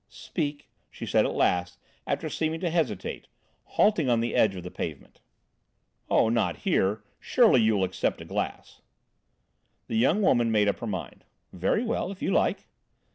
"Speak," she said at last, after seeming to hesitate, halting on the edge of the pavement. "Oh, not here; surely you will accept a glass?" The young woman made up her mind: "Very well, if you like."